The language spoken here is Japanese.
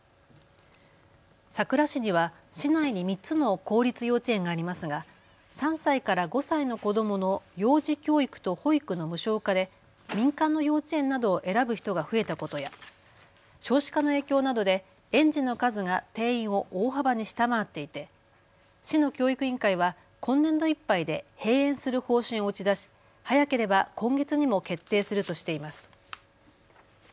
佐倉市には市内に３つの公立幼稚園がありますが３歳から５歳の子どもの幼児教育と保育の無償化で民間の幼稚園などを選ぶ人が増えたことや少子化の影響などで園児の数が定員を大幅に下回っていて市の教育委員会は今年度いっぱいで閉園する方針を打ち出し、早ければ今月にも決定するとしています。